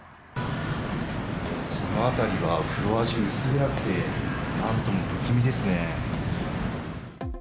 この辺りは、フロア中、薄暗くて、なんとも不気味ですね。